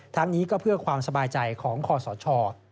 ทั้งนี้ก็เพื่อความสบายใจของคอสช